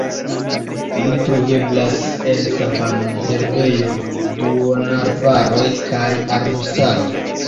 Ili troveblas en savanoj, herbejoj, duonarbaroj kaj arbustaroj.